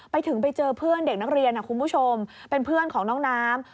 ไปถึงไปเจอเพื่อนเด็กนักเรียนคุณผู้ชมเป็นเพื่อนของน้องน้ำ